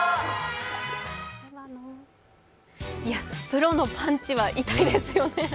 プロのパンチは痛いですよね。